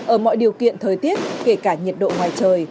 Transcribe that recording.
ở mọi điều kiện thời tiết kể cả nhiệt độ ngoài trời